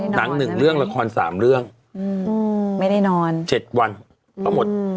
หนังหนึ่งราคาร๓เรื่อง๗วันก็หมด